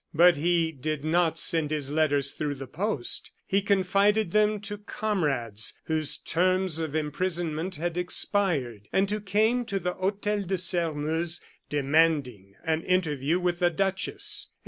But he did not send his letters through the post. He confided them to comrades, whose terms of imprisonment had expired, and who came to the Hotel de Sairmeuse demanding an interview with the duchess.